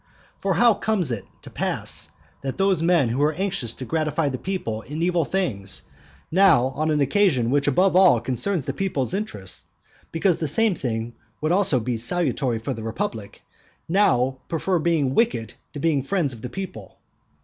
For how comes it to pass that those men who were anxious to gratify the people in evil things, now, on an occasion which above all others concerns the people's interests, because the same thing would be also salutary for the republic, now prefer being wicked to being friends of the people?